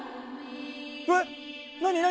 えっ何？